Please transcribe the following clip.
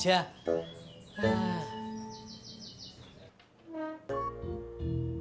iya intinya udah kenapa ya nos